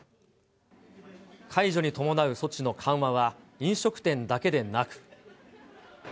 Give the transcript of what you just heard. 解除に伴う措置の緩和は、飲食店だけでなく。